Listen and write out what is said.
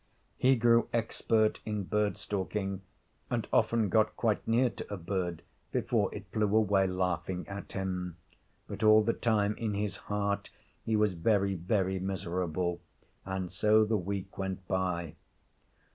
He grew expert in bird stalking, and often got quite near to a bird before it flew away, laughing at him. But all the time, in his heart, he was very, very miserable. And so the week went by.